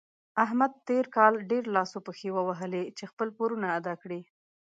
احمد تېر کار ډېر لاس او پښې ووهلې چې خپل پورونه ادا کړي.